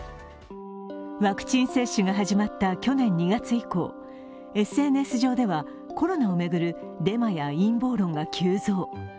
ワクチン接種が始まった去年２月以降、ＳＮＳ上ではコロナを巡るデマや陰謀論が急増。